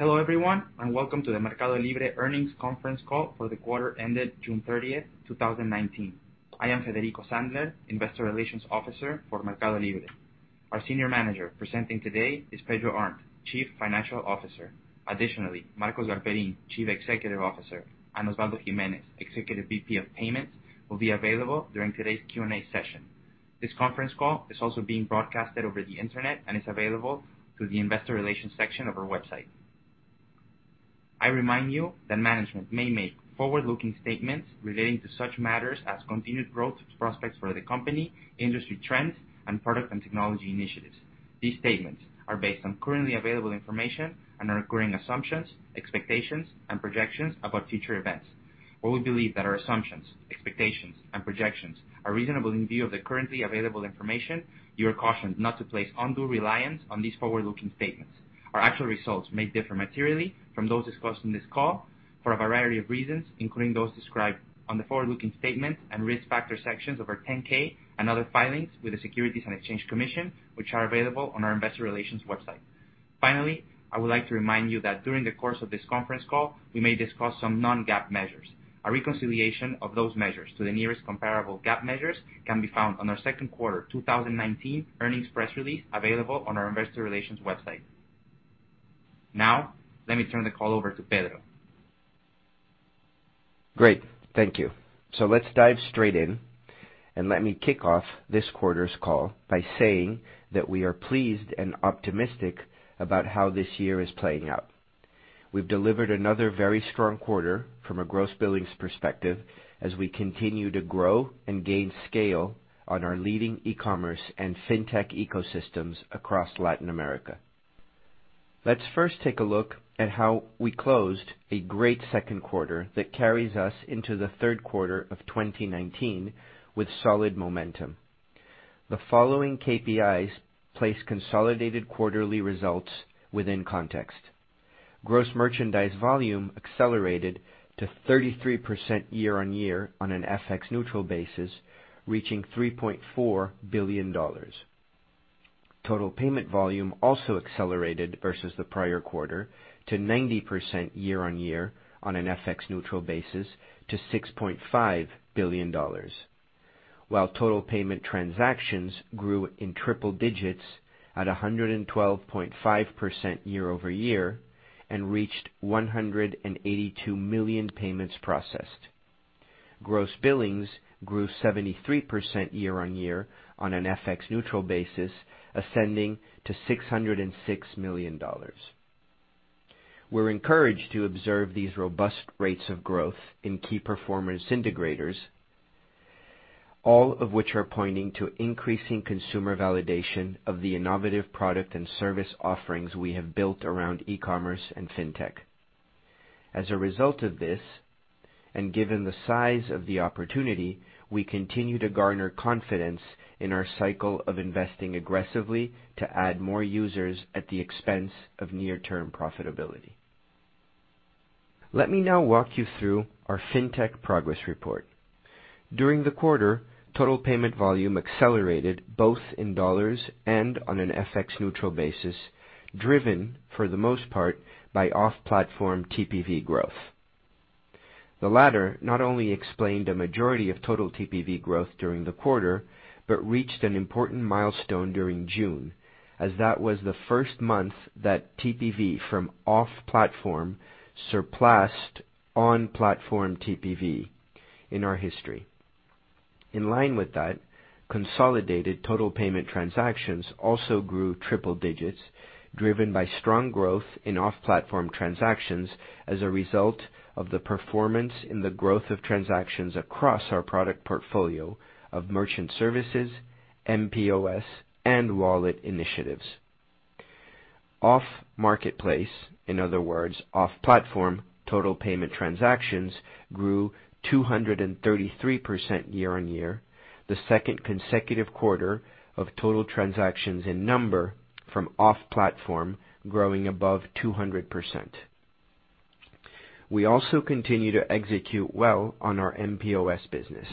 Hello, everyone, and welcome to the MercadoLibre earnings conference call for the quarter ended June 30th, 2019. I am Federico Sandler, investor relations officer for MercadoLibre. Our senior manager presenting today is Pedro Arnt, chief financial officer. Additionally, Marcos Galperin, chief executive officer, and Osvaldo Gimenez, executive VP of payments, will be available during today's Q&A session. This conference call is also being broadcasted over the internet and is available through the investor relations section of our website. I remind you that management may make forward-looking statements relating to such matters as continued growth prospects for the company, industry trends, and product and technology initiatives. These statements are based on currently available information and our current assumptions, expectations, and projections about future events. While we believe that our assumptions, expectations, and projections are reasonable in view of the currently available information, you are cautioned not to place undue reliance on these forward-looking statements. Our actual results may differ materially from those discussed on this call for a variety of reasons, including those described on the forward-looking statement and risk factor sections of our 10-K and other filings with the Securities and Exchange Commission, which are available on our investor relations website. Finally, I would like to remind you that during the course of this conference call, we may discuss some non-GAAP measures. A reconciliation of those measures to the nearest comparable GAAP measures can be found on our second quarter 2019 earnings press release available on our investor relations website. Now, let me turn the call over to Pedro. Great. Thank you. Let's dive straight in, and let me kick off this quarter's call by saying that we are pleased and optimistic about how this year is playing out. We've delivered another very strong quarter from a gross billings perspective as we continue to grow and gain scale on our leading e-commerce and fintech ecosystems across Latin America. Let's first take a look at how we closed a great second quarter that carries us into the third quarter of 2019 with solid momentum. The following KPIs place consolidated quarterly results within context. Gross merchandise volume accelerated to 33% year-on-year on an FX neutral basis, reaching $3.4 billion. Total payment volume also accelerated versus the prior quarter to 90% year-on-year on an FX neutral basis to $6.5 billion. While total payment transactions grew in triple digits at 112.5% year-over-year and reached 182 million payments processed. Gross billings grew 73% year-on-year on an FX neutral basis, ascending to $606 million. We're encouraged to observe these robust rates of growth in Key Performance Indicators, all of which are pointing to increasing consumer validation of the innovative product and service offerings we have built around e-commerce and fintech. As a result of this, and given the size of the opportunity, we continue to garner confidence in our cycle of investing aggressively to add more users at the expense of near-term profitability. Let me now walk you through our fintech progress report. During the quarter, total payment volume accelerated both in dollars and on an FX neutral basis, driven for the most part by off-platform TPV growth. The latter not only explained a majority of total TPV growth during the quarter, but reached an important milestone during June, as that was the first month that TPV from off-platform surpassed on-platform TPV in our history. In line with that, consolidated total payment transactions also grew triple digits, driven by strong growth in off-platform transactions as a result of the performance in the growth of transactions across our product portfolio of merchant services, mPOS, and wallet initiatives. Off-marketplace, in other words, off-platform total payment transactions grew 233% year-over-year, the second consecutive quarter of total transactions in number from off-platform growing above 200%. We also continue to execute well on our mPOS business.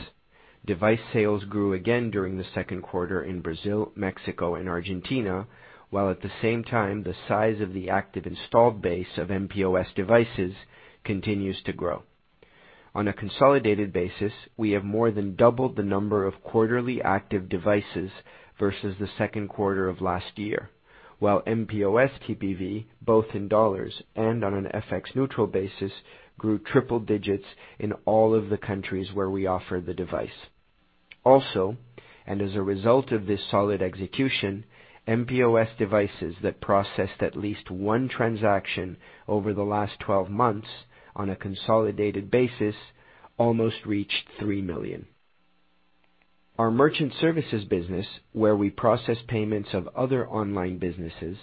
Device sales grew again during the second quarter in Brazil, Mexico, and Argentina, while at the same time, the size of the active installed base of mPOS devices continues to grow. On a consolidated basis, we have more than doubled the number of quarterly active devices versus the second quarter of last year. While mPOS TPV, both in $ and on an FX neutral basis, grew triple digits in all of the countries where we offer the device. Also, as a result of this solid execution, mPOS devices that processed at least one transaction over the last 12 months on a consolidated basis almost reached 3 million. Our merchant services business, where we process payments of other online businesses,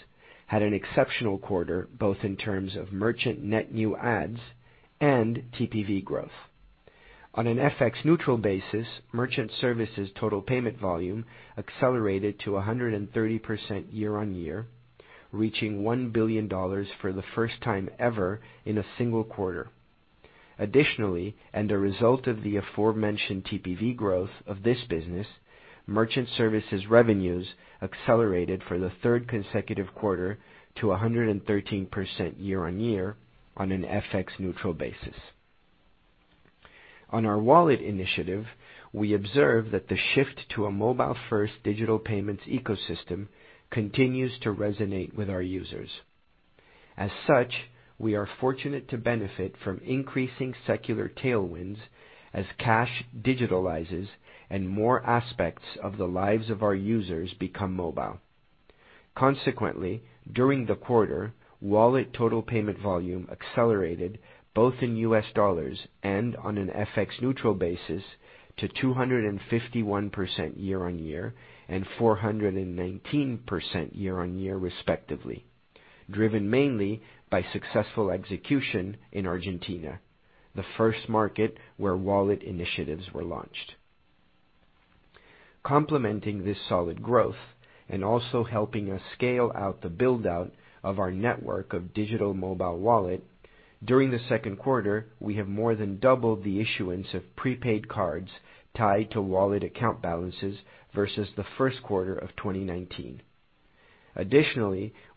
had an exceptional quarter, both in terms of merchant net new adds and TPV growth. On an FX neutral basis, merchant services total payment volume accelerated to 130% year-on-year, reaching $1 billion for the first time ever in a single quarter. Additionally, and a result of the aforementioned TPV growth of this business, merchant services revenues accelerated for the third consecutive quarter to 113% year-on-year on an FX neutral basis. On our wallet initiative, we observe that the shift to a mobile-first digital payments ecosystem continues to resonate with our users. As such, we are fortunate to benefit from increasing secular tailwinds as cash digitalizes and more aspects of the lives of our users become mobile. Consequently, during the quarter, wallet total payment volume accelerated both in US dollars and on an FX neutral basis to 251% year-on-year and 419% year-on-year respectively, driven mainly by successful execution in Argentina, the first market where wallet initiatives were launched. Complementing this solid growth and also helping us scale out the build-out of our network of digital mobile wallet, during the second quarter, we have more than doubled the issuance of prepaid cards tied to wallet account balances versus the first quarter of 2019.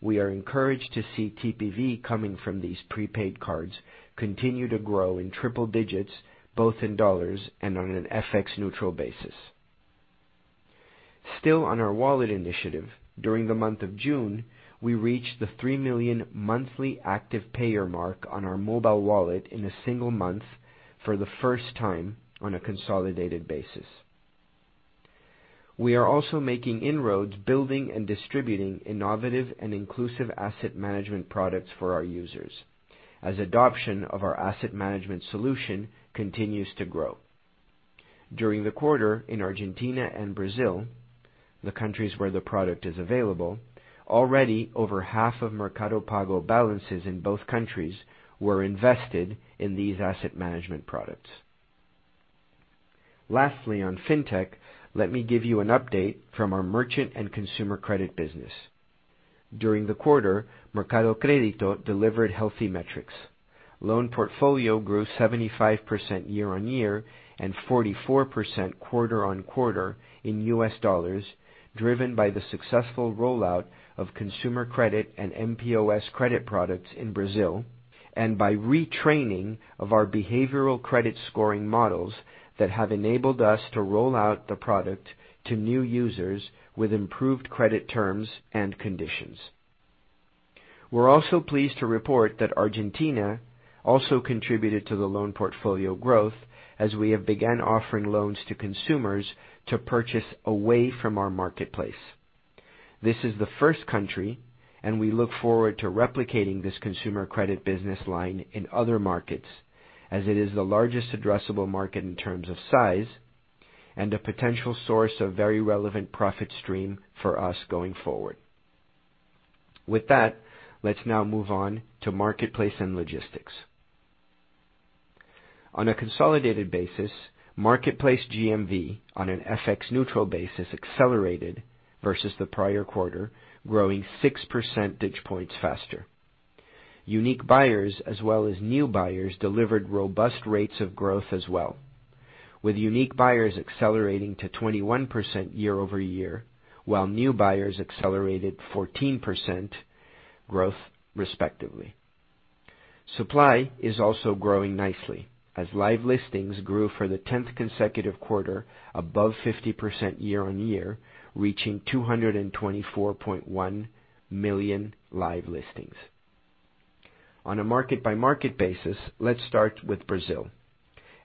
We are encouraged to see TPV coming from these prepaid cards continue to grow in triple digits, both in $ and on an FX neutral basis. Still on our wallet initiative, during the month of June, we reached the three million monthly active payer mark on our mobile wallet in a single month for the first time on a consolidated basis. We are also making inroads building and distributing innovative and inclusive asset management products for our users as adoption of our asset management solution continues to grow. During the quarter in Argentina and Brazil, the countries where the product is available, already over half of Mercado Pago balances in both countries were invested in these asset management products. Lastly, on fintech, let me give you an update from our merchant and consumer credit business. During the quarter, Mercado Credito delivered healthy metrics. Loan portfolio grew 75% year-on-year and 44% quarter-on-quarter in US dollars, driven by the successful rollout of consumer credit and mPOS credit products in Brazil, and by retraining of our behavioral credit scoring models that have enabled us to roll out the product to new users with improved credit terms and conditions. We're also pleased to report that Argentina also contributed to the loan portfolio growth as we have began offering loans to consumers to purchase away from our marketplace. This is the first country. We look forward to replicating this consumer credit business line in other markets as it is the largest addressable market in terms of size and a potential source of very relevant profit stream for us going forward. With that, let's now move on to marketplace and logistics. On a consolidated basis, marketplace GMV on an FX neutral basis accelerated versus the prior quarter, growing six percentage points faster. Unique buyers as well as new buyers delivered robust rates of growth as well, with unique buyers accelerating to 21% year-over-year, while new buyers accelerated 14% growth respectively. Supply is also growing nicely as live listings grew for the tenth consecutive quarter above 50% year-on-year, reaching 224.1 million live listings. On a market-by-market basis, let's start with Brazil.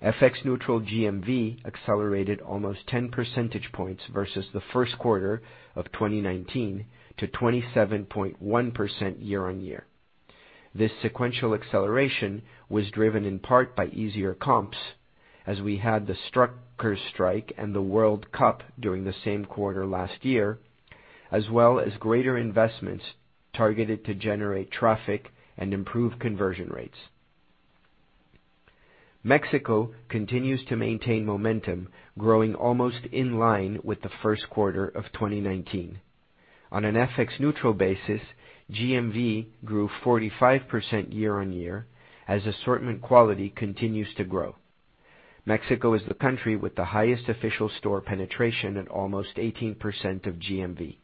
FX neutral GMV accelerated almost 10 percentage points versus the first quarter of 2019 to 27.1% year-on-year. This sequential acceleration was driven in part by easier comps as we had the truckers' strike and the World Cup during the same quarter last year, as well as greater investments targeted to generate traffic and improve conversion rates. Mexico continues to maintain momentum, growing almost in line with the first quarter of 2019. On an FX neutral basis, GMV grew 45% year-on-year as assortment quality continues to grow. Mexico is the country with the highest official store penetration at almost 18% of GMV.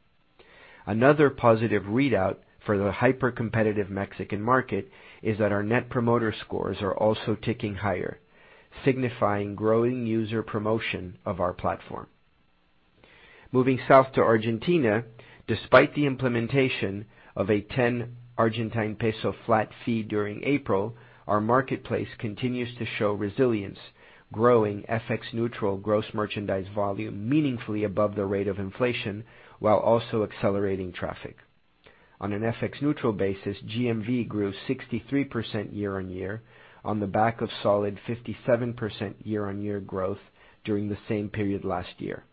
Another positive readout for the hyper-competitive Mexican market is that our net promoter scores are also ticking higher, signifying growing user promotion of our platform. Moving south to Argentina, despite the implementation of a 10 Argentine peso flat fee during April, our marketplace continues to show resilience, growing FX neutral gross merchandise volume meaningfully above the rate of inflation while also accelerating traffic. On an FX neutral basis, GMV grew 63% year-on-year on the back of solid 57% year-on-year growth during the same period last year.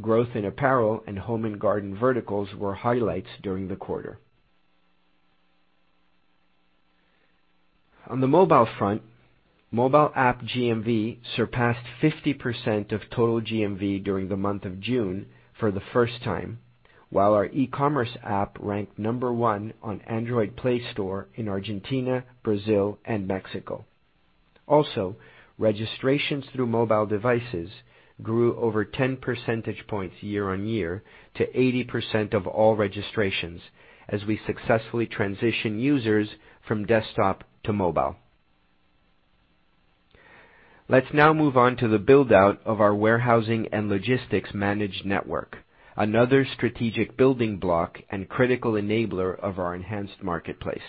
Growth in apparel and home and garden verticals were highlights during the quarter. On the mobile front, mobile app GMV surpassed 50% of total GMV during the month of June for the first time. While our e-commerce app ranked number one on Android Play Store in Argentina, Brazil, and Mexico. Registrations through mobile devices grew over 10 percentage points year-on-year to 80% of all registrations as we successfully transition users from desktop to mobile. Let's now move on to the build-out of our warehousing and logistics managed network, another strategic building block and critical enabler of our enhanced marketplace.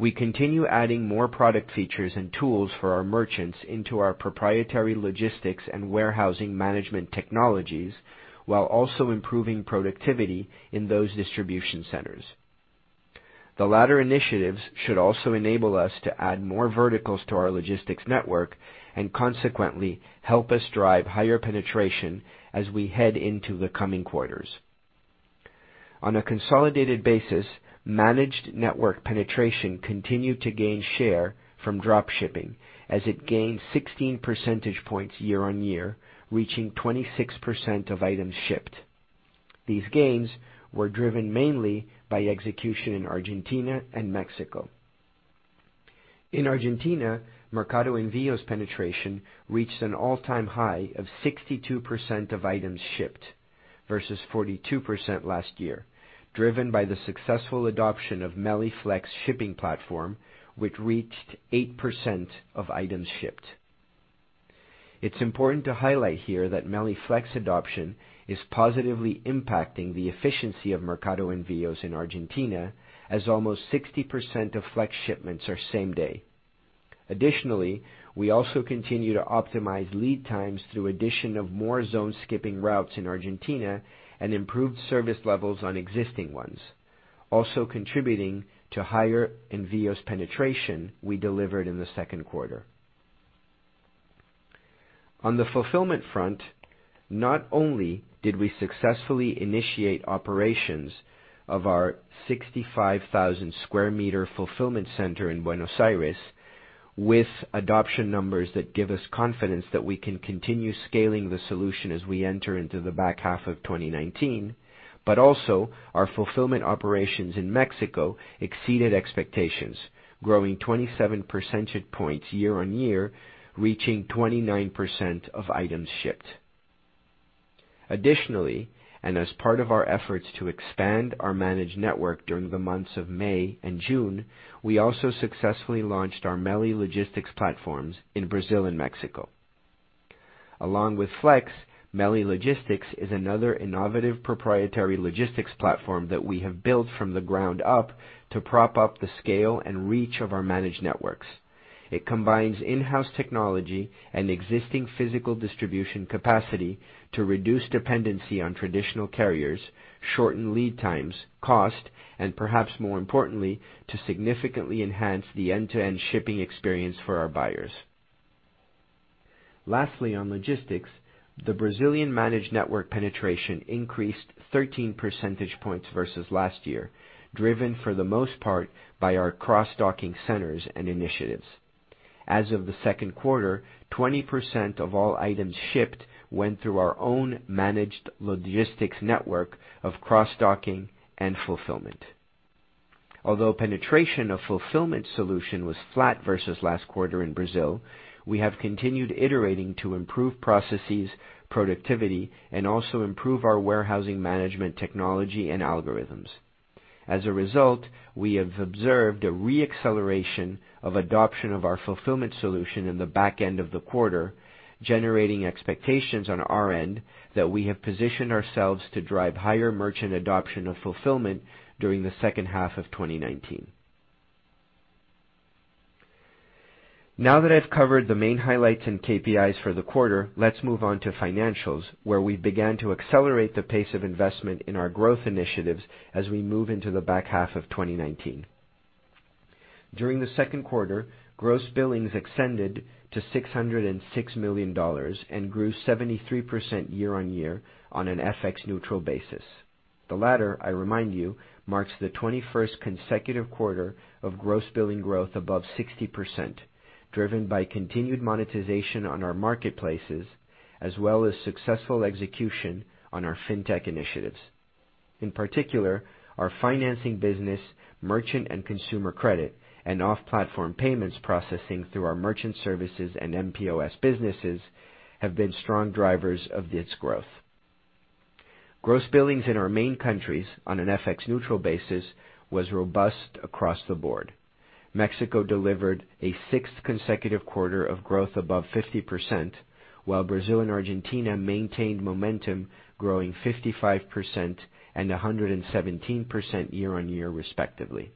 We continue adding more product features and tools for our merchants into our proprietary logistics and warehousing management technologies while also improving productivity in those distribution centers. The latter initiatives should also enable us to add more verticals to our logistics network and consequently help us drive higher penetration as we head into the coming quarters. On a consolidated basis, managed network penetration continued to gain share from dropshipping as it gained 16 percentage points year-over-year, reaching 26% of items shipped. These gains were driven mainly by execution in Argentina and Mexico. In Argentina, Mercado Envios penetration reached an all-time high of 62% of items shipped versus 42% last year, driven by the successful adoption of Meli Flex shipping platform, which reached eight% of items shipped. It's important to highlight here that Meli Flex adoption is positively impacting the efficiency of Mercado Envios in Argentina as almost 60% of Flex shipments are same-day. Additionally, we also continue to optimize lead times through addition of more zone-skipping routes in Argentina and improved service levels on existing ones, also contributing to higher Envios penetration we delivered in the second quarter. On the fulfillment front, not only did we successfully initiate operations of our 65,000 sq m fulfillment center in Buenos Aires with adoption numbers that give us confidence that we can continue scaling the solution as we enter into the back half of 2019, but also our fulfillment operations in Mexico exceeded expectations, growing 27 percentage points year-on-year, reaching 29% of items shipped. Additionally, as part of our efforts to expand our managed network during the months of May and June, we also successfully launched our Meli Logistics platforms in Brazil and Mexico. Along with Flex, Meli Logistics is another innovative proprietary logistics platform that we have built from the ground up to prop up the scale and reach of our managed networks. It combines in-house technology and existing physical distribution capacity to reduce dependency on traditional carriers, shorten lead times, cost, and perhaps more importantly, to significantly enhance the end-to-end shipping experience for our buyers. Lastly, on logistics, the Brazilian managed network penetration increased 13 percentage points versus last year, driven for the most part by our cross-docking centers and initiatives. As of the second quarter, 20% of all items shipped went through our own managed logistics network of cross-docking and fulfillment. Although penetration of fulfillment solution was flat versus last quarter in Brazil, we have continued iterating to improve processes, productivity, and also improve our warehousing management technology and algorithms. As a result, we have observed a re-acceleration of adoption of our fulfillment solution in the back end of the quarter, generating expectations on our end that we have positioned ourselves to drive higher merchant adoption of fulfillment during the second half of 2019. Now that I've covered the main highlights in KPIs for the quarter, let's move on to financials, where we began to accelerate the pace of investment in our growth initiatives as we move into the back half of 2019. During the second quarter, gross billings extended to $606 million and grew 73% year-on-year on an FX neutral basis. The latter, I remind you, marks the 21st consecutive quarter of gross billing growth above 60%, driven by continued monetization on our marketplaces, as well as successful execution on our fintech initiatives. In particular, our financing business, merchant and consumer credit, and off-platform payments processing through our merchant services and mPOS businesses have been strong drivers of this growth. Gross billings in our main countries on an FX neutral basis was robust across the board. Mexico delivered a sixth consecutive quarter of growth above 50%, while Brazil and Argentina maintained momentum, growing 55% and 117% year-on-year respectively.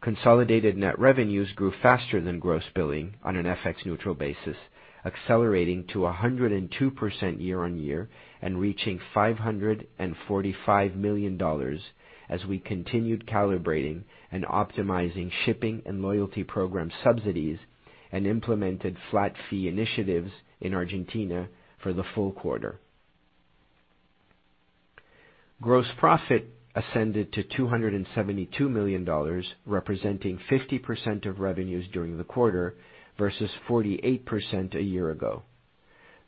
Consolidated net revenues grew faster than gross billing on an FX neutral basis, accelerating to 102% year-on-year and reaching $545 million as we continued calibrating and optimizing shipping and loyalty program subsidies and implemented flat fee initiatives in Argentina for the full quarter. Gross profit ascended to $272 million, representing 50% of revenues during the quarter versus 48% a year ago.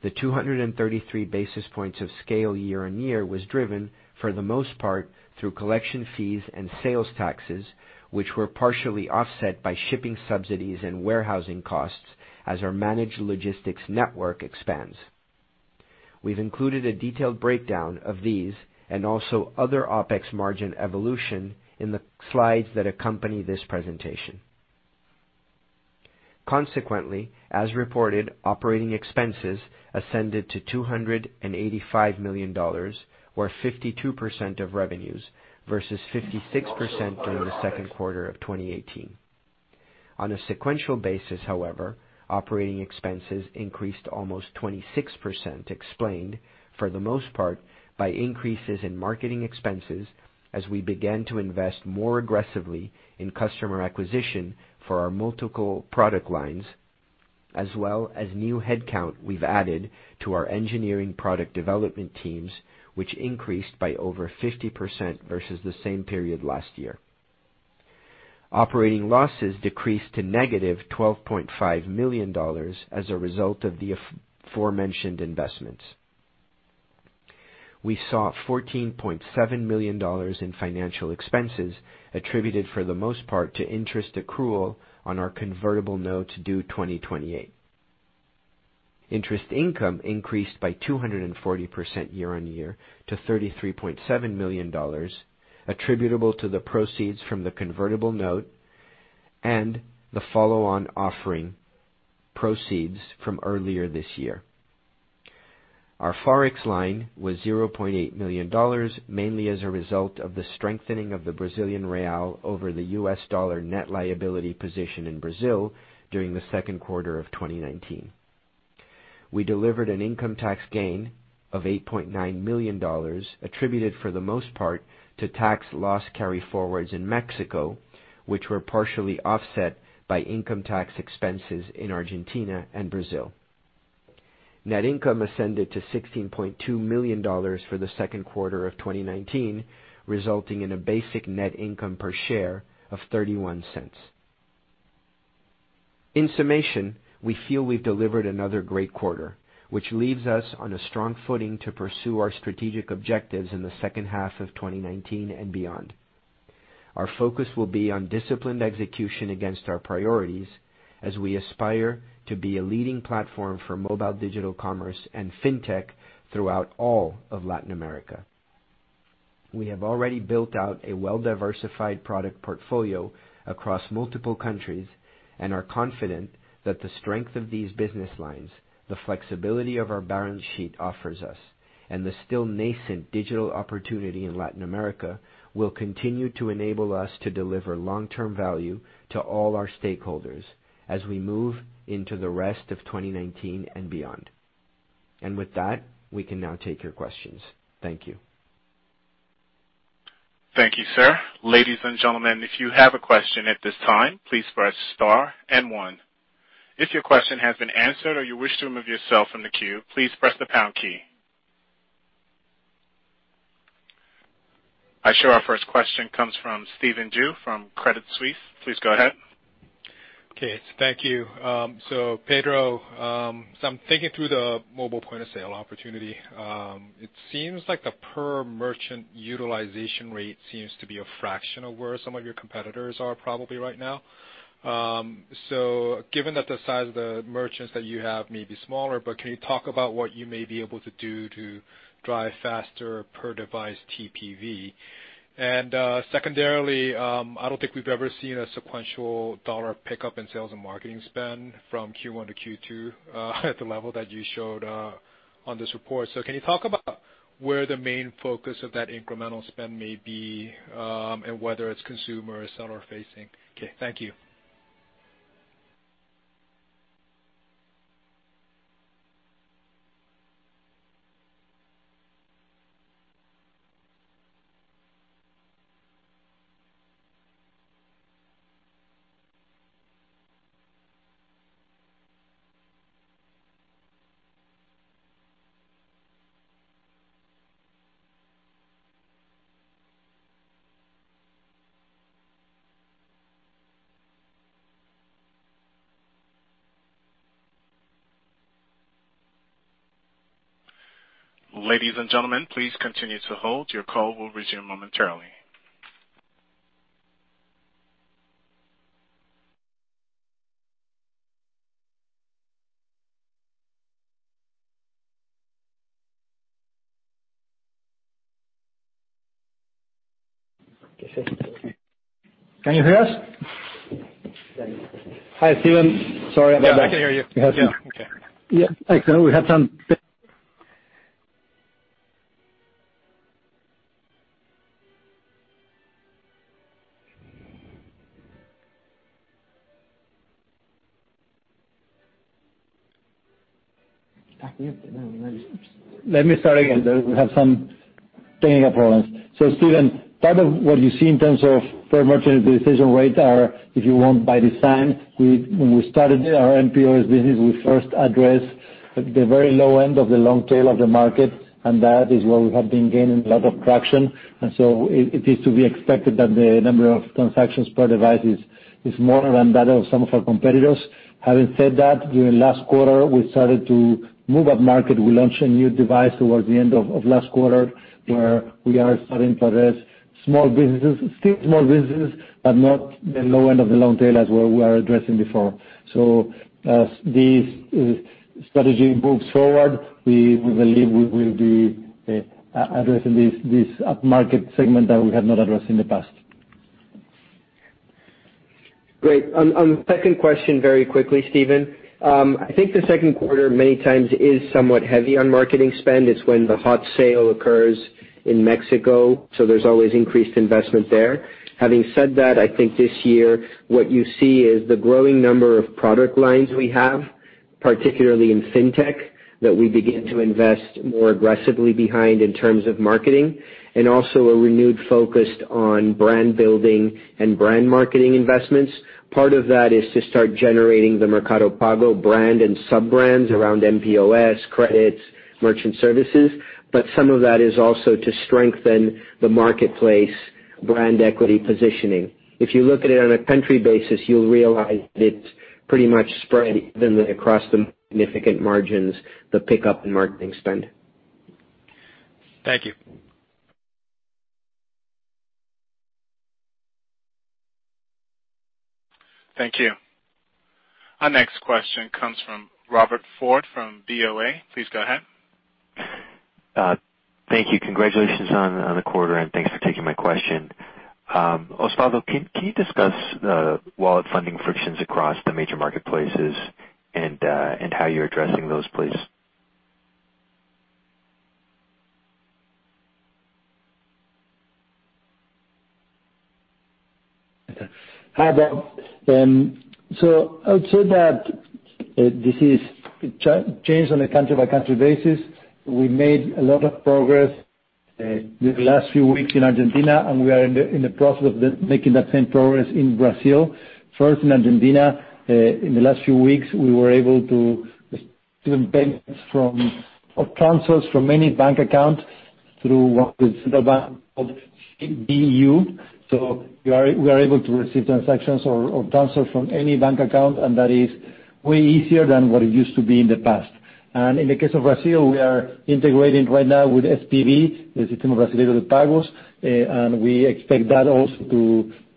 The 233 basis points of scale year-on-year was driven for the most part through collection fees and sales taxes, which were partially offset by shipping subsidies and warehousing costs as our managed logistics network expands. We've included a detailed breakdown of these and also other OPEX margin evolution in the slides that accompany this presentation. Consequently, as reported, operating expenses ascended to $285 million, or 52% of revenues versus 56% during the second quarter of 2018. On a sequential basis, however, operating expenses increased almost 26%, explained for the most part, by increases in marketing expenses as we began to invest more aggressively in customer acquisition for our multiple product lines, as well as new headcount we've added to our engineering product development teams, which increased by over 50% versus the same period last year. Operating losses decreased to negative $12.5 million as a result of the aforementioned investments. We saw $14.7 million in financial expenses attributed for the most part, to interest accrual on our convertible notes due 2028. Interest income increased by 240% year-on-year to $33.7 million attributable to the proceeds from the convertible note and the follow-on offering proceeds from earlier this year. Our Forex line was $0.8 million, mainly as a result of the strengthening of the Brazilian real over the US dollar net liability position in Brazil during the second quarter of 2019. We delivered an income tax gain of $8.9 million attributed for the most part, to tax loss carry-forwards in Mexico, which were partially offset by income tax expenses in Argentina and Brazil. Net income ascended to $16.2 million for the second quarter of 2019, resulting in a basic net income per share of $0.31. In summation, we feel we've delivered another great quarter, which leaves us on a strong footing to pursue our strategic objectives in the second half of 2019 and beyond. Our focus will be on disciplined execution against our priorities as we aspire to be a leading platform for mobile digital commerce and fintech throughout all of Latin America. We have already built out a well-diversified product portfolio across multiple countries and are confident that the strength of these business lines, the flexibility of our balance sheet offers us, and the still nascent digital opportunity in Latin America will continue to enable us to deliver long-term value to all our stakeholders as we move into the rest of 2019 and beyond. With that, we can now take your questions. Thank you. Thank you, sir. Ladies and gentlemen, if you have a question at this time, please press star and one. If your question has been answered or you wish to remove yourself from the queue, please press the pound key. I show our first question comes from Stephen Ju from Credit Suisse. Please go ahead. Okay. Thank you. Pedro, I'm thinking through the mobile point-of-sale opportunity. It seems like the per merchant utilization rate seems to be a fraction of where some of your competitors are probably right now. Given that the size of the merchants that you have may be smaller, but can you talk about what you may be able to do to drive faster per device TPV? Secondarily, I don't think we've ever seen a sequential $ pickup in sales and marketing spend from Q1 to Q2 at the level that you showed on this report. Can you talk about where the main focus of that incremental spend may be, and whether it's consumer or seller facing? Okay. Thank you. Ladies and gentlemen, please continue to hold. Your call will resume momentarily. Can you hear us? Hi, Stephen. Sorry about that. Yeah, I can hear you. Yeah. Okay. Yeah. Excellent. Let me start again. We have some technical problems. Stephen, part of what you see in terms of per merchant decision rates are, if you want by design, when we started our mPOS business, we first addressed the very low end of the long tail of the market, and that is where we have been gaining a lot of traction. It is to be expected that the number of transactions per device is more than that of some of our competitors. Having said that, during last quarter, we started to move up market. We launched a new device towards the end of last quarter, where we are starting to address small businesses. Still small businesses, but not the low end of the long tail as where we were addressing before. As this strategy moves forward, we believe we will be addressing this up-market segment that we have not addressed in the past. Great. On the second question, very quickly, Stephen. I think the second quarter many times is somewhat heavy on marketing spend. It's when the Hot Sale occurs in Mexico, there's always increased investment there. Having said that, I think this year what you see is the growing number of product lines we have, particularly in fintech, that we begin to invest more aggressively behind in terms of marketing. Also a renewed focus on brand-building and brand marketing investments. Part of that is to start generating the Mercado Pago brand and sub-brands around mPOS, credits, merchant services, some of that is also to strengthen the marketplace brand equity positioning. If you look at it on a country basis, you'll realize that it's pretty much spread evenly across the significant margins, the pickup in marketing spend. Thank you. Thank you. Our next question comes from Robert Ford from BoA. Please go ahead. Thank you. Congratulations on the quarter. Thanks for taking my question. Osvaldo, can you discuss wallet funding frictions across the major marketplaces and how you're addressing those, please? Hi, Robert. I would say that this has changed on a country-by-country basis. We made a lot of progress in the last few weeks in Argentina, and we are in the process of making that same progress in Brazil. First in Argentina, in the last few weeks, we were able to do payments of transfers from any bank account through what the central bank called CVU. We are able to receive transactions or transfers from any bank account, and that is way easier than what it used to be in the past. In the case of Brazil, we are integrating right now with SPB, the Sistema de Pagamentos Brasileiro, and we expect that also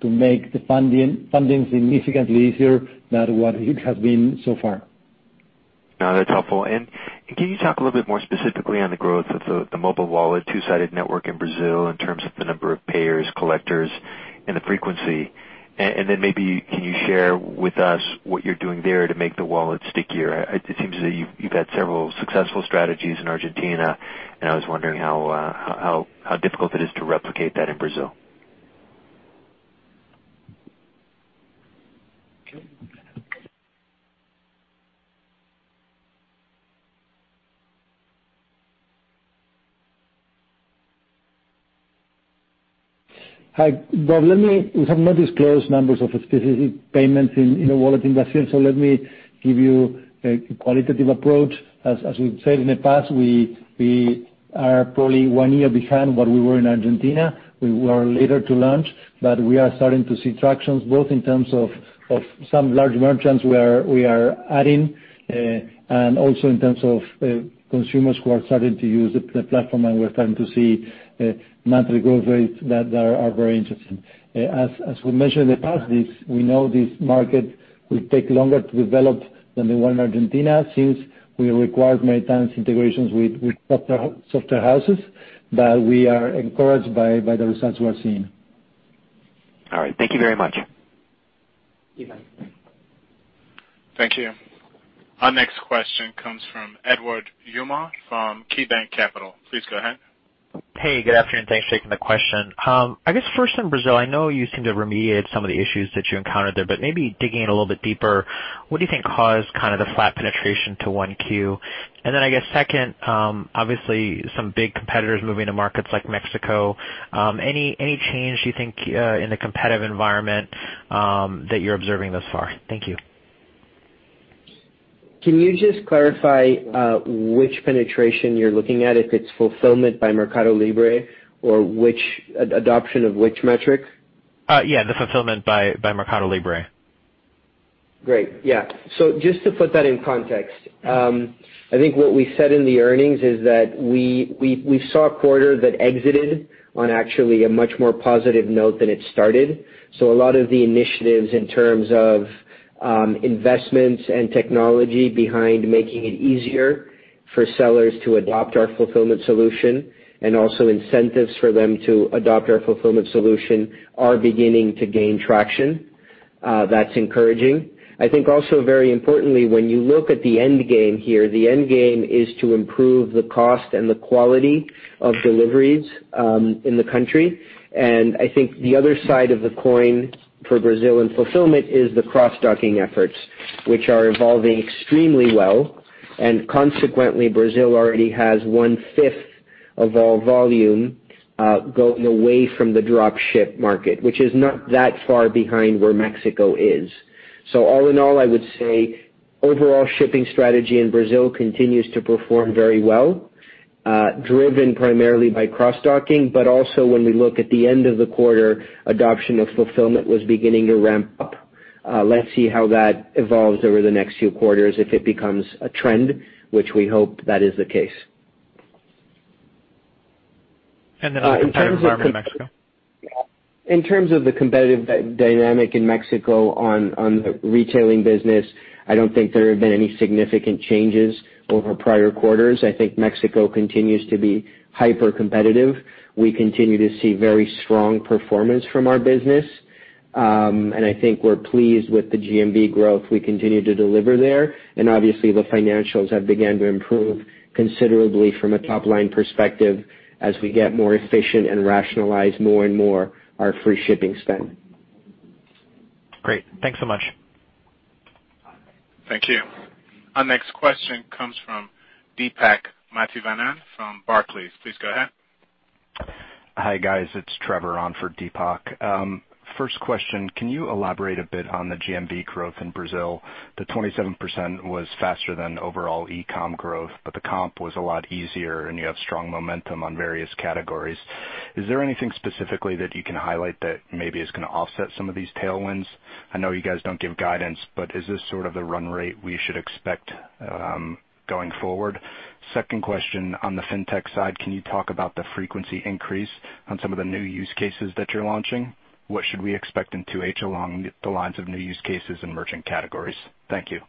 to make the funding significantly easier than what it has been so far. No, that's helpful. Can you talk a little bit more specifically on the growth of the mobile wallet two-sided network in Brazil in terms of the number of payers, collectors, and the frequency? Then maybe, can you share with us what you're doing there to make the wallet stickier? It seems that you've had several successful strategies in Argentina, and I was wondering how difficult it is to replicate that in Brazil. Hi, Bob. We have not disclosed numbers of specific payments in the wallet in Brazil, so let me give you a qualitative approach. As we've said in the past, we are probably one year behind what we were in Argentina. We were later to launch, but we are starting to see tractions, both in terms of some large merchants we are adding, and also in terms of consumers who are starting to use the platform, and we're starting to see monthly growth rates that are very interesting. As we mentioned in the past, we know this market will take longer to develop than the one in Argentina, since we require many times integrations with software houses, but we are encouraged by the results we are seeing. All right. Thank you very much. You're welcome. Thank you. Our next question comes from Edward Yruma from KeyBanc Capital Markets. Please go ahead. Hey, good afternoon. Thanks for taking the question. I guess first on Brazil, I know you seem to have remediated some of the issues that you encountered there, but maybe digging in a little bit deeper, what do you think caused kind of the flat penetration to 1Q? I guess second, obviously some big competitors moving to markets like Mexico. Any change you think in the competitive environment that you're observing thus far? Thank you. Can you just clarify which penetration you're looking at, if it's fulfillment by MercadoLibre or adoption of which metric? Yeah, the fulfillment by MercadoLibre. Great. Yeah. Just to put that in context, I think what we said in the earnings is that we saw a quarter that exited on actually a much more positive note than it started. A lot of the initiatives in terms of investments and technology behind making it easier for sellers to adopt our fulfillment solution and also incentives for them to adopt our fulfillment solution are beginning to gain traction. That's encouraging. I think also very importantly, when you look at the end game here, the end game is to improve the cost and the quality of deliveries in the country. I think the other side of the coin for Brazil and fulfillment is the cross-docking efforts, which are evolving extremely well, and consequently, Brazil already has one-fifth of all volume going away from the drop ship market, which is not that far behind where Mexico is. All in all, I would say overall shipping strategy in Brazil continues to perform very well, driven primarily by cross-docking. Also when we look at the end of the quarter, adoption of fulfillment was beginning to ramp up. Let's see how that evolves over the next few quarters, if it becomes a trend, which we hope that is the case. The competitive environment in Mexico. In terms of the competitive dynamic in Mexico on the retailing business, I don't think there have been any significant changes over prior quarters. I think Mexico continues to be hyper-competitive. We continue to see very strong performance from our business. I think we're pleased with the GMV growth we continue to deliver there. Obviously, the financials have began to improve considerably from a top-line perspective as we get more efficient and rationalize more and more our free shipping spend. Great. Thanks so much. Thank you. Our next question comes from Deepak Mathivanan from Barclays. Please go ahead. Hi, guys. It's Trevor on for Deepak. First question, can you elaborate a bit on the GMV growth in Brazil? The 27% was faster than overall e-com growth, but the comp was a lot easier and you have strong momentum on various categories. Is there anything specifically that you can highlight that maybe is going to offset some of these tailwinds? I know you guys don't give guidance, but is this sort of the run rate we should expect going forward? Second question, on the fintech side, can you talk about the frequency increase on some of the new use cases that you're launching? What should we expect in 2H along the lines of new use cases and merchant categories? Thank you.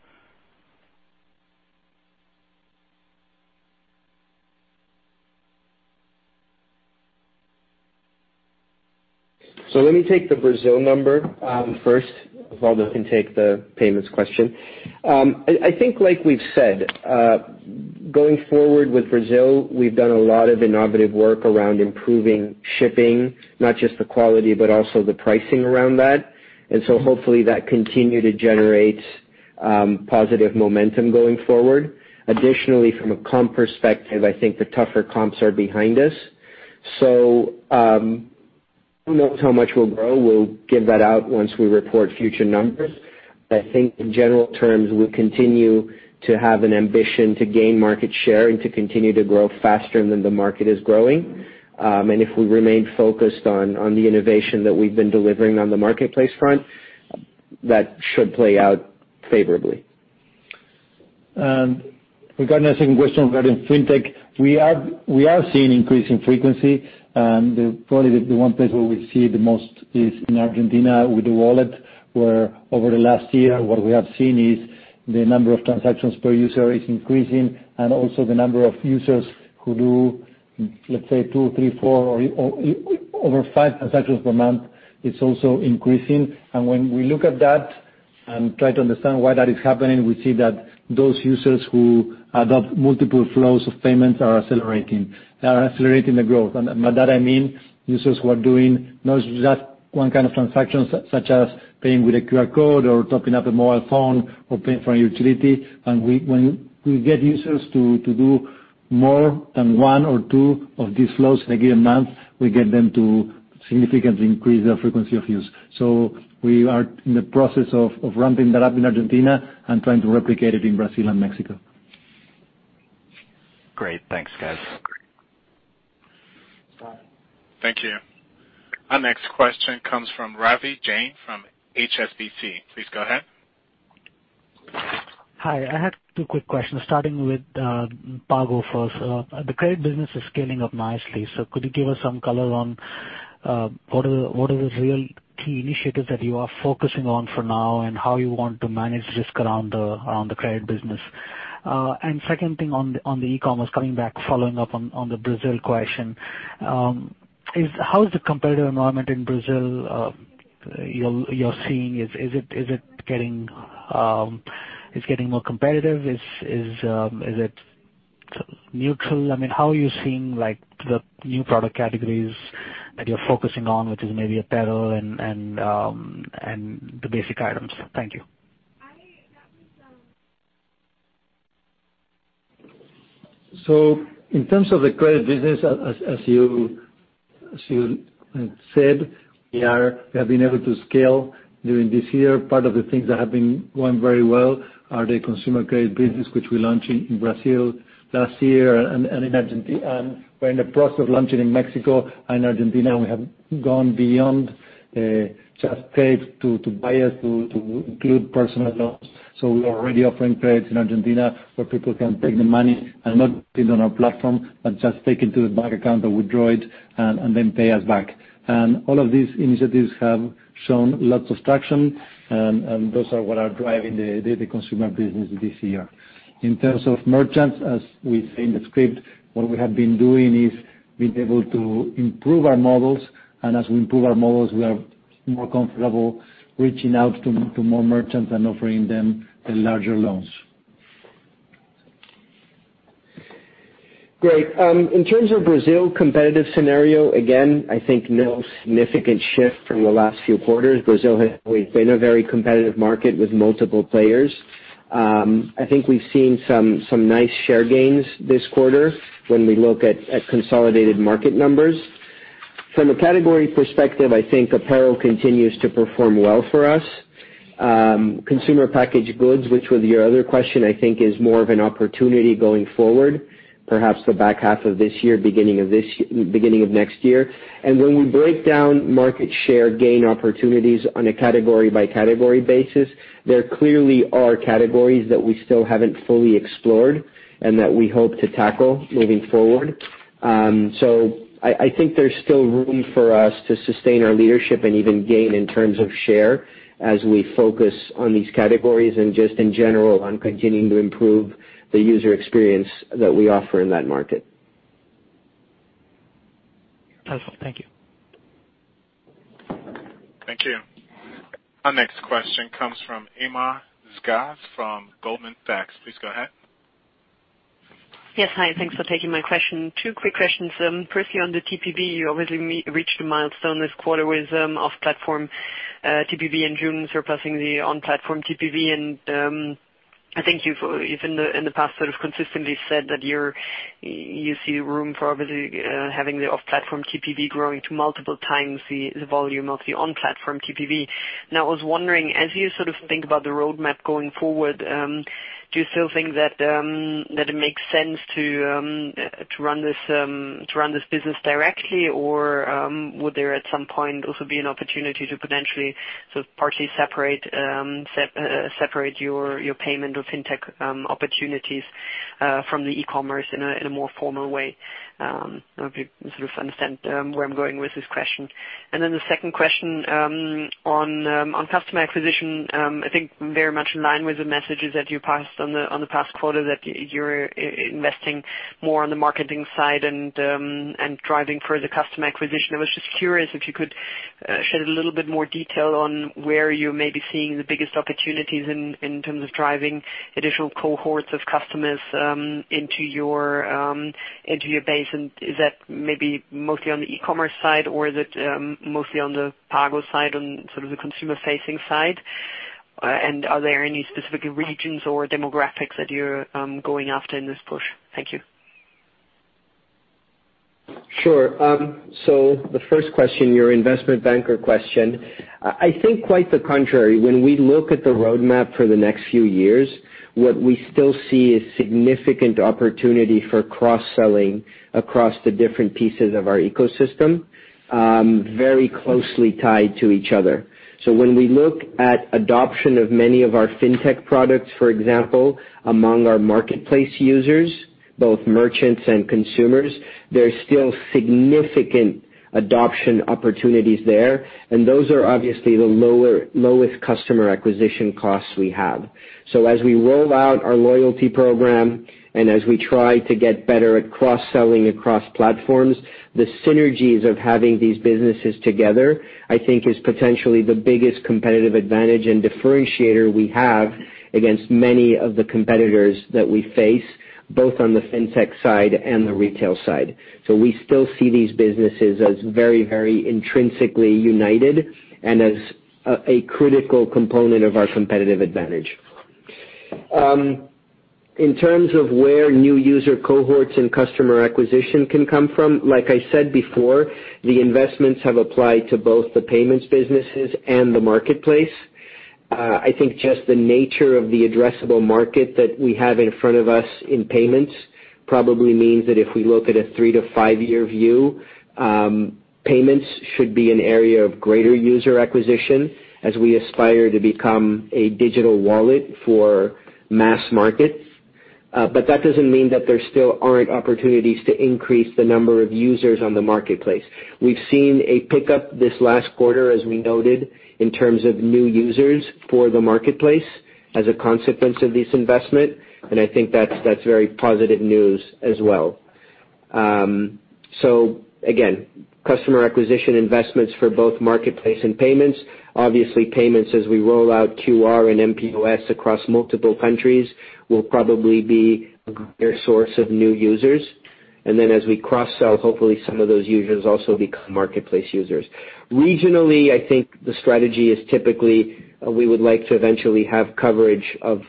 Let me take the Brazil number first. Osvaldo can take the payments question. I think, like we've said, going forward with Brazil, we've done a lot of innovative work around improving shipping, not just the quality, but also the pricing around that. Hopefully that continue to generate positive momentum going forward. Additionally, from a comp perspective, I think the tougher comps are behind us. Who knows how much we'll grow. We'll give that out once we report future numbers. I think in general terms, we continue to have an ambition to gain market share and to continue to grow faster than the market is growing. If we remain focused on the innovation that we've been delivering on the marketplace front, that should play out favorably. Regarding that second question regarding fintech, we are seeing increase in frequency. Probably the one place where we see the most is in Argentina with the wallet, where over the last year, what we have seen is the number of transactions per user is increasing and also the number of users who do, let's say, two, three, four or over five transactions per month, it's also increasing. When we look at that and try to understand why that is happening, we see that those users who adopt multiple flows of payments are accelerating the growth. By that I mean users who are doing not just one kind of transaction, such as paying with a QR code or topping up a mobile phone or paying for a utility. When we get users to do more than one or two of these flows in a given month, we get them to significantly increase their frequency of use. We are in the process of ramping that up in Argentina and trying to replicate it in Brazil and Mexico. Great. Thanks, guys. Thank you. Our next question comes from Ravi Jain from HSBC. Please go ahead. Hi. I have two quick questions, starting with Pago first. The credit business is scaling up nicely. Could you give us some color on what are the real key initiatives that you are focusing on for now and how you want to manage risk around the credit business? Second thing on the e-commerce, coming back, following up on the Brazil question, how is the competitive environment in Brazil you're seeing? Is it getting more competitive? Is it neutral? How are you seeing the new product categories that you're focusing on, which is maybe apparel and the basic items? Thank you. In terms of the credit business, as you said, we have been able to scale during this year. Part of the things that have been going very well are the consumer credit business, which we launched in Brazil last year and in Argentina. We're in the process of launching in Mexico and Argentina. We have gone beyond just safe to buyers to include personal loans. We are already offering credits in Argentina where people can take the money and not spend on our platform, but just take it to the bank account or withdraw it and then pay us back. All of these initiatives have shown lots of traction, and those are what are driving the consumer business this year. In terms of merchants, as we say in the script, what we have been doing is being able to improve our models. As we improve our models, we are more comfortable reaching out to more merchants and offering them larger loans. Great. In terms of Brazil competitive scenario, again, I think no significant shift from the last few quarters. Brazil has always been a very competitive market with multiple players. I think we've seen some nice share gains this quarter when we look at consolidated market numbers. From a category perspective, I think apparel continues to perform well for us. Consumer packaged goods, which was your other question, I think is more of an opportunity going forward, perhaps the back half of this year, beginning of next year. When we break down market share gain opportunities on a category by category basis, there clearly are categories that we still haven't fully explored and that we hope to tackle moving forward. I think there's still room for us to sustain our leadership and even gain in terms of share as we focus on these categories and just in general, on continuing to improve the user experience that we offer in that market. That's all. Thank you. Thank you. Our next question comes from Irma Sgarz from Goldman Sachs. Please go ahead. Yes. Hi, thanks for taking my question. Two quick questions. Firstly, on the TPV, you obviously reached a milestone this quarter with off-platform TPV in June surpassing the on-platform TPV. I think you've in the past sort of consistently said that you see room for obviously having the off-platform TPV growing to multiple times the volume of the on-platform TPV. I was wondering, as you sort of think about the roadmap going forward, do you still think that it makes sense to run this business directly or would there at some point also be an opportunity to potentially sort of partially separate your payment or fintech opportunities from the e-commerce in a more formal way? I hope you sort of understand where I'm going with this question. The second question on customer acquisition. I think very much in line with the messages that you passed on the past quarter that you're investing more on the marketing side and driving further customer acquisition. I was just curious if you could shed a little bit more detail on where you may be seeing the biggest opportunities in terms of driving additional cohorts of customers into your base. Is that maybe mostly on the e-commerce side or is it mostly on the Pago side, on sort of the consumer-facing side? Are there any specific regions or demographics that you're going after in this push? Thank you. Sure. The first question, your investment banker question. I think quite the contrary. When we look at the roadmap for the next few years, what we still see is significant opportunity for cross-selling across the different pieces of our ecosystem very closely tied to each other. When we look at adoption of many of our fintech products, for example, among our marketplace users, both merchants and consumers, there's still significant adoption opportunities there, and those are obviously the lowest customer acquisition costs we have. As we roll out our loyalty program and as we try to get better at cross-selling across platforms, the synergies of having these businesses together, I think is potentially the biggest competitive advantage and differentiator we have against many of the competitors that we face, both on the fintech side and the retail side. We still see these businesses as very, very intrinsically united and as a critical component of our competitive advantage. In terms of where new user cohorts and customer acquisition can come from, like I said before, the investments have applied to both the payments businesses and the marketplace. I think just the nature of the addressable market that we have in front of us in payments probably means that if we look at a three to five-year view, payments should be an area of greater user acquisition as we aspire to become a digital wallet for mass markets. That doesn't mean that there still aren't opportunities to increase the number of users on the marketplace. We've seen a pickup this last quarter, as we noted, in terms of new users for the marketplace as a consequence of this investment, and I think that's very positive news as well. Customer acquisition investments for both marketplace and payments. Obviously, payments as we roll out QR and mPOS across multiple countries will probably be a greater source of new users. As we cross-sell, hopefully some of those users also become marketplace users. Regionally, I think the strategy is typically we would like to eventually have coverage of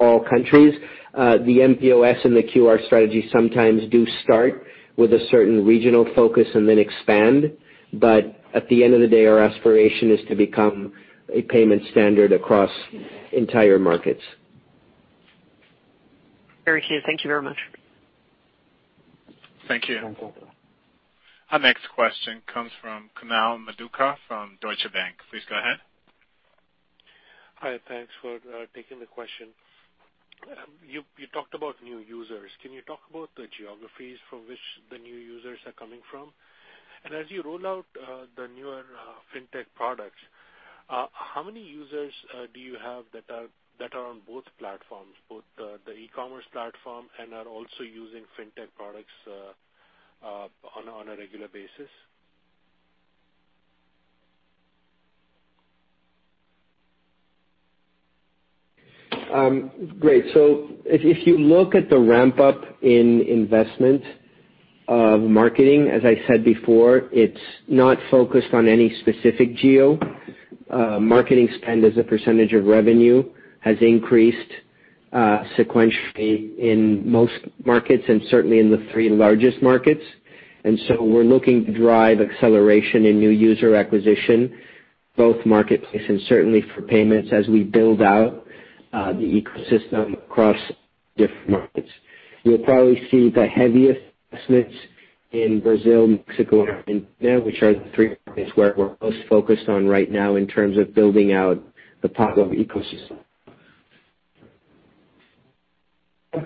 all countries. The mPOS and the QR strategy sometimes do start with a certain regional focus and then expand. Our aspiration is to become a payment standard across entire markets. Very clear. Thank you very much. Thank you. Our next question comes from Kunal Madhukar from Deutsche Bank. Please go ahead. Hi. Thanks for taking the question. You talked about new users. Can you talk about the geographies from which the new users are coming from? As you roll out the newer FinTech products, how many users do you have that are on both platforms, both the e-commerce platform and are also using FinTech products on a regular basis? Great. If you look at the ramp-up in investment of marketing. As I said before, it's not focused on any specific geo. Marketing spend as a percentage of revenue has increased sequentially in most markets and certainly in the three largest markets. We're looking to drive acceleration in new user acquisition, both marketplace and certainly for payments as we build out the ecosystem across different markets. You'll probably see the heaviest investments in Brazil, Mexico, and Argentina, which are the three markets where we're most focused on right now in terms of building out the platform ecosystem. The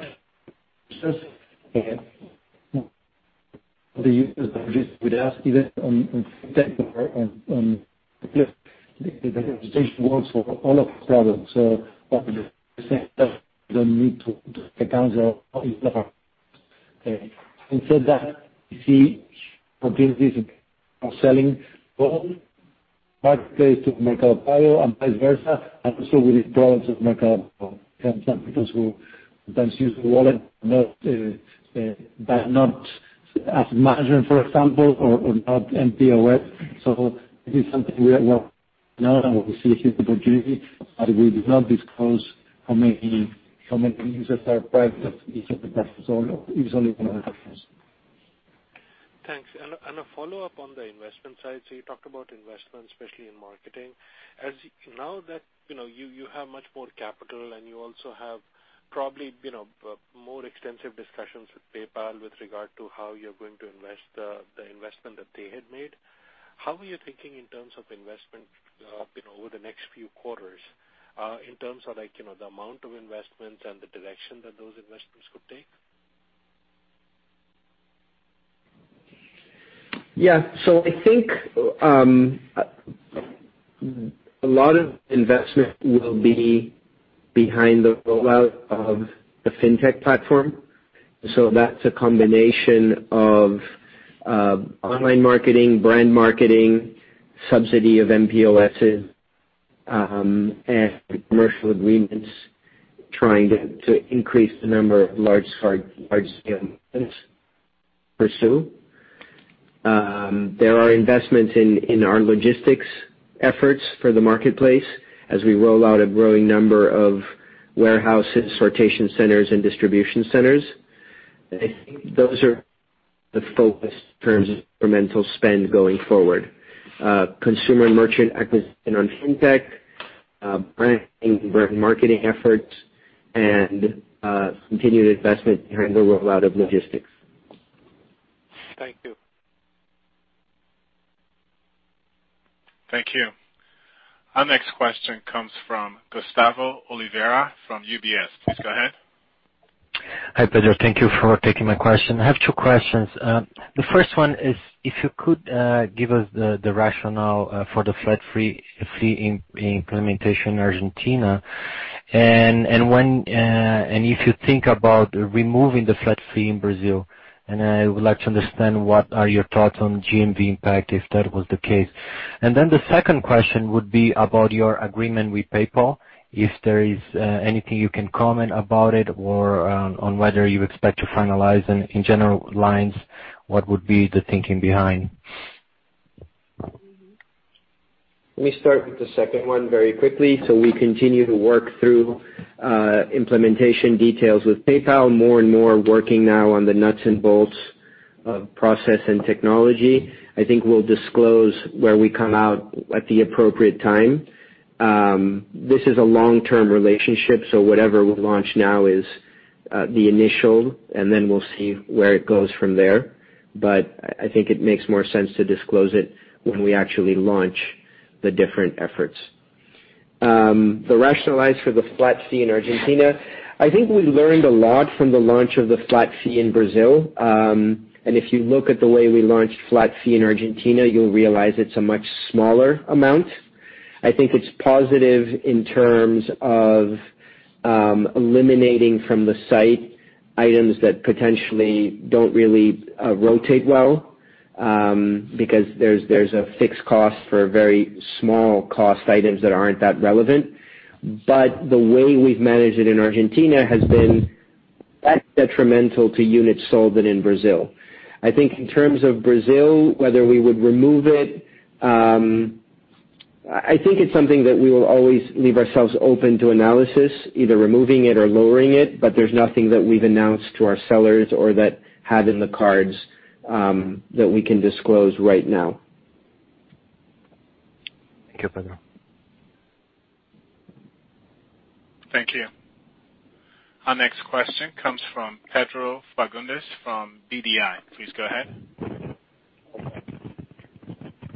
users would ask even on tech and on, the presentation works for all of the products. You don't need to take accounts off. Said that you see opportunities of selling both marketplace to Mercado Pago and vice versa, and also within products of Mercado Pago. Because sometimes users wallet not, but not as margin, for example, or not mPOS. This is something we are working now and we see here the opportunity, but we did not disclose how many users are part of each of the platforms. It's only one of the platforms. Thanks. A follow-up on the investment side. You talked about investments, especially in marketing. Now that you have much more capital and you also have probably more extensive discussions with PayPal with regard to how you're going to invest the investment that they had made, how are you thinking in terms of investment over the next few quarters, in terms of the amount of investment and the direction that those investments could take? I think, a lot of investment will be behind the rollout of the fintech platform. That's a combination of online marketing, brand marketing, subsidy of mPOSs, and commercial agreements, trying to increase the number of large scale merchants pursue. There are investments in our logistics efforts for the marketplace as we roll out a growing number of warehouses, sortation centers, and distribution centers. I think those are the focus in terms of incremental spend going forward. Consumer merchant acquisition on fintech, branding and brand marketing efforts, and continued investment behind the rollout of logistics. Thank you. Thank you. Our next question comes from Gustavo Oliveira from UBS. Please go ahead. Hi, Pedro. Thank you for taking my question. I have two questions. The first one is if you could give us the rationale for the flat fee implementation in Argentina, and if you think about removing the flat fee in Brazil, and I would like to understand what are your thoughts on GMV impact, if that was the case? The second question would be about your agreement with PayPal, if there is anything you can comment about it or on whether you expect to finalize, and in general lines, what would be the thinking behind? Let me start with the second one very quickly. We continue to work through implementation details with PayPal. More and more working now on the nuts and bolts of process and technology. I think we'll disclose where we come out at the appropriate time. This is a long-term relationship, whatever we launch now is the initial, and then we'll see where it goes from there. I think it makes more sense to disclose it when we actually launch the different efforts. The rationale for the flat fee in Argentina, I think we learned a lot from the launch of the flat fee in Brazil. If you look at the way we launched flat fee in Argentina, you'll realize it's a much smaller amount. I think it's positive in terms of eliminating from the site items that potentially don't really rotate well, because there's a fixed cost for very small cost items that aren't that relevant. The way we've managed it in Argentina has been less detrimental to units sold than in Brazil. I think in terms of Brazil, whether we would remove it, I think it's something that we will always leave ourselves open to analysis, either removing it or lowering it, but there's nothing that we've announced to our sellers or that have in the cards, that we can disclose right now. Thank you, Pedro. Thank you. Our next question comes from Pedro Fagundes from BBI. Please go ahead.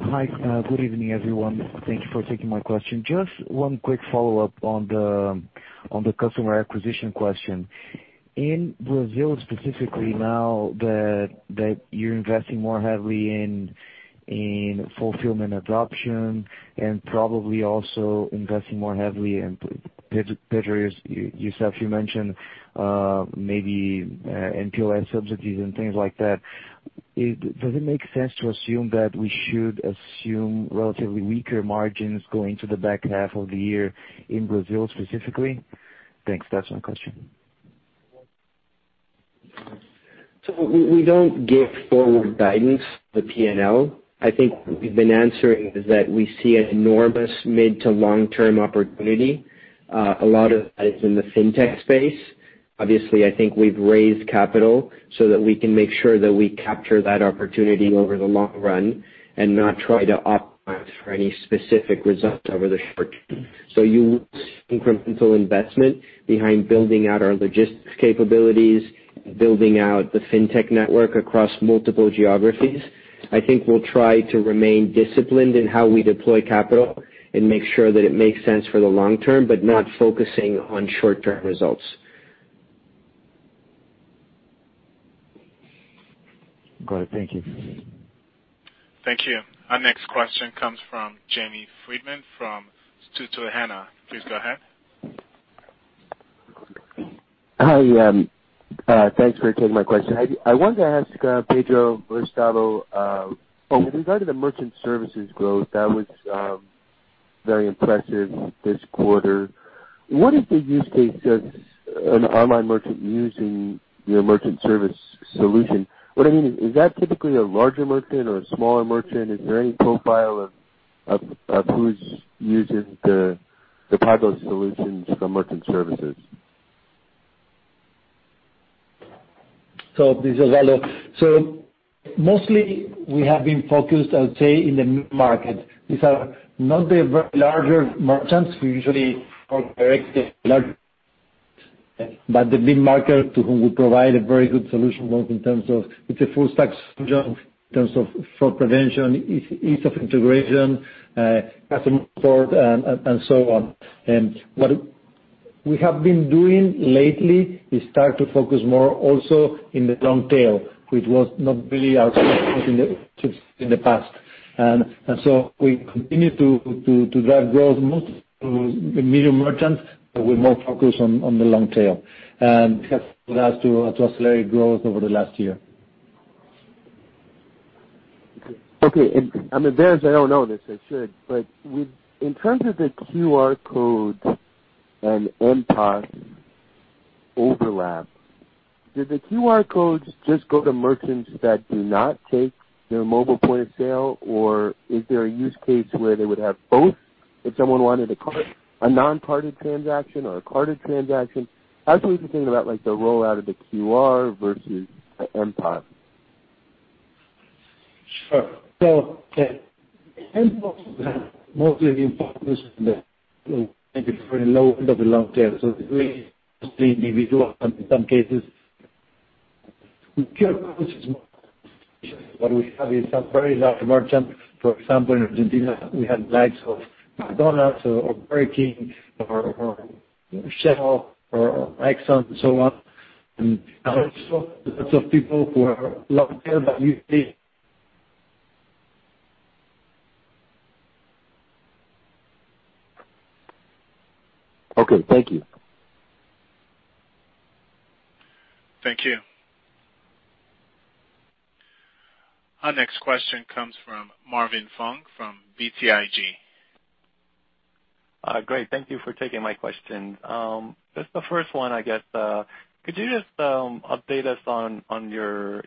Hi. Good evening, everyone. Thank you for taking my question. Just one quick follow-up on the customer acquisition question. In Brazil, specifically now that you're investing more heavily in fulfillment adoption and probably also investing more heavily, and Pedro, yourself you mentioned maybe mPOS subsidies and things like that. Does it make sense to assume that we should assume relatively weaker margins going to the back half of the year in Brazil specifically? Thanks. That's my question. We don't give forward guidance for P&L. I think we've been answering is that we see an enormous mid to long-term opportunity. A lot of that is in the fintech space. Obviously, I think we've raised capital so that we can make sure that we capture that opportunity over the long run and not try to optimize for any specific results over the short term. You will see incremental investment behind building out our logistics capabilities, building out the fintech network across multiple geographies. I think we'll try to remain disciplined in how we deploy capital and make sure that it makes sense for the long term, but not focusing on short-term results. Got it. Thank you. Thank you. Our next question comes from Jamie Friedman from Susquehanna. Please go ahead. Hi. Thanks for taking my question. I wanted to ask Pedro, Osvaldo, with regard to the merchant services growth, that was very impressive this quarter. What is the use case of an online merchant using your merchant service solution? What I mean is that typically a larger merchant or a smaller merchant? Is there any profile of who's using the Pago solutions for merchant services? This is Osvaldo. Mostly we have been focused, I would say, in the mid-market. These are not the larger merchants. We usually go directly to large but the mid-market, to whom we provide a very good solution, both in terms of it's a full stack solution in terms of fraud prevention, ease of integration, customer support, and so on. What we have been doing lately is start to focus more also on the long tail, which was not really our strength in the past. We continue to drive growth mostly through the medium merchants, but with more focus on the long tail. It has allowed us to accelerate growth over the last year. Okay. I'm embarrassed I don't know this. I should, but in terms of the QR codes and mPOS overlap, do the QR codes just go to merchants that do not take their mobile point of sale, or is there a use case where they would have both if someone wanted a card, a non-carded transaction or a carded transaction? How should we be thinking about the rollout of the QR versus the mPOS? Sure. The mPOS has mostly been focused on the very low end of the long tail. It's really mostly individual, in some cases. QR code is more. Okay. Thank you. Thank you. Our next question comes from Marvin Fong from BTIG. Great. Thank you for taking my question. Just the first one, I guess. Could you just update us on your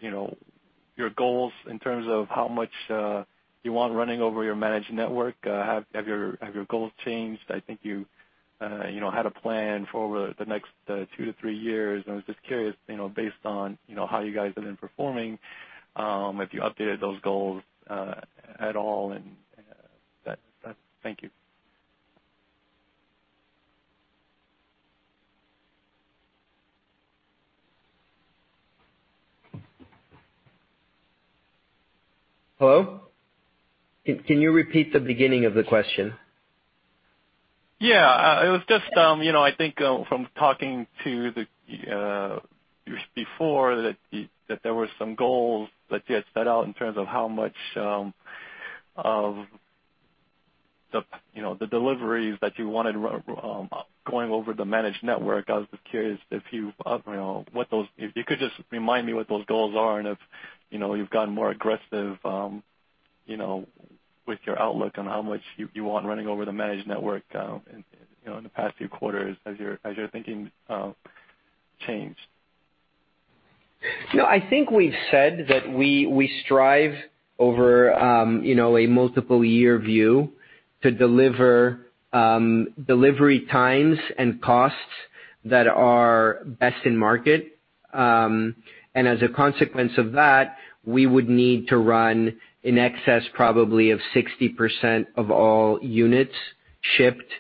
goals in terms of how much you want running over your managed network? Have your goals changed? I think you had a plan for the next two to three years, and I was just curious, based on how you guys have been performing, if you updated those goals at all, and that's it. Thank you. Hello? Can you repeat the beginning of the question? It was just, I think from talking to you before, that there were some goals that you had set out in terms of how much of the deliveries that you wanted going over the managed network. I was just curious if you could just remind me what those goals are and if you've gotten more aggressive with your outlook on how much you want running over the managed network in the past few quarters as your thinking changed? I think we've said that we strive over a multiple year view to deliver delivery times and costs that are best in market. As a consequence of that, we would need to run in excess probably of 60% of all units shipped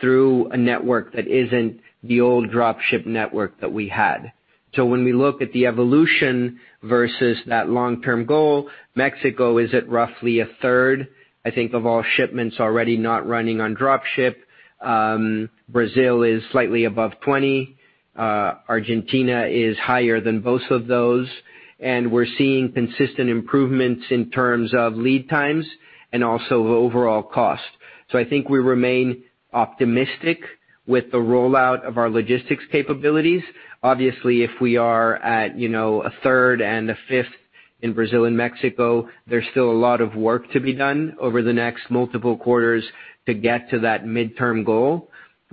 through a network that isn't the old drop ship network that we had. When we look at the evolution versus that long-term goal, Mexico is at roughly a third, I think, of all shipments already not running on drop ship. Brazil is slightly above 20. Argentina is higher than both of those. We're seeing consistent improvements in terms of lead times and also overall cost. I think we remain optimistic with the rollout of our logistics capabilities. Obviously, if we are at a third and a fifth in Brazil and Mexico, there's still a lot of work to be done over the next multiple quarters to get to that midterm goal.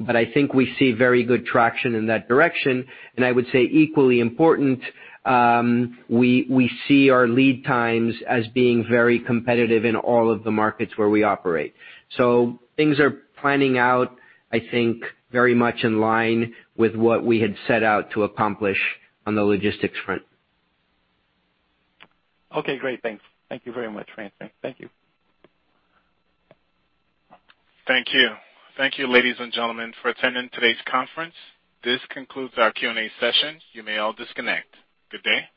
I think we see very good traction in that direction, and I would say equally important, we see our lead times as being very competitive in all of the markets where we operate. Things are planning out, I think, very much in line with what we had set out to accomplish on the logistics front. Okay, great. Thanks. Thank you very much. Thanks. Thank you. Thank you. Thank you, ladies and gentlemen, for attending today's conference. This concludes our Q&A session. You may all disconnect. Good day.